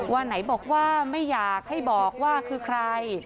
ว่าไหนบอกว่าไม่อยากให้บอกว่าคือใคร